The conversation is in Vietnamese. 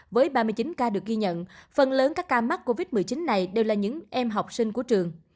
với ba mươi chín ca được ghi nhận phần lớn các ca mắc covid một mươi chín này đều là những em học sinh của trường